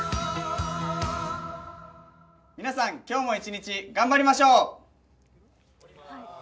皆さん今日も一日頑張りましょう。